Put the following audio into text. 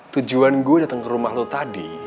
tujuan gue datang ke rumah lo tadi